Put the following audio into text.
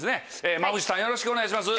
馬淵さんよろしくお願いします。